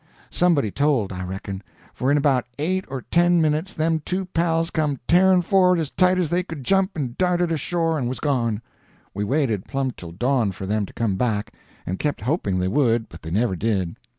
Somebody told, I reckon; for in about eight or ten minutes them two pals come tearing forrard as tight as they could jump and darted ashore and was gone. We waited plumb till dawn for them to come back, and kept hoping they would, but they never did.